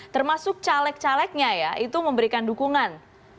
termasuk caleg calegnya ya itu memberikan dukungan